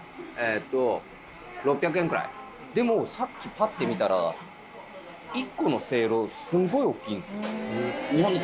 でもさっきパッて見たら１個のせいろすっごい大っきいんです。